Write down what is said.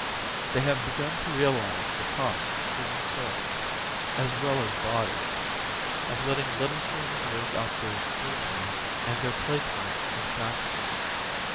They have begim to realize the cost in human souls, as well as bodies, of letting little children work out their school time and their play time in factories.